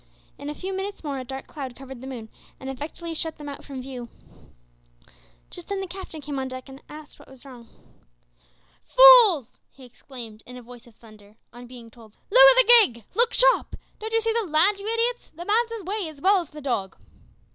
In a few minutes more a dark cloud covered the moon and effectually shut them out from view. Just then the Captain came on deck, and asked what was wrong. "Fools!" he exclaimed, in a voice of thunder, on being told, "lower the gig. Look sharp! Don't you see the land, you idiots? The man's away as well as the dog."